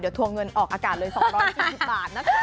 เดี๋ยวทัวร์เงินออกอากาศเลย๒๔๐บาทนะคะ